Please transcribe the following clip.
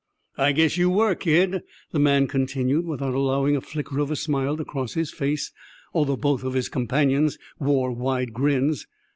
"I guess you were, kid," the man continued, without allowing a flicker of a smile to cross his face, although both of his companions wore wide grins.